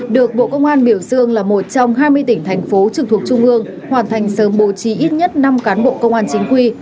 được bộ công an biểu dương là một trong hai mươi tỉnh thành phố trực thuộc trung ương hoàn thành sớm bố trí ít nhất năm cán bộ công an chính quy